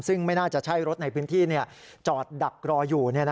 ซึ่งไม่น่าจะใช่รถในพื้นที่จอดดักรออยู่